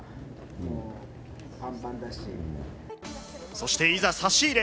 そして、いざ差し入れ。